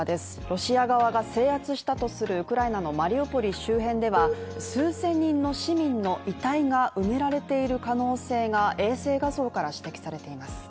ロシア側が制圧したとするウクライナのマリウポリ周辺では数千人の市民の遺体が埋められている可能性が、衛星画像から指摘されています。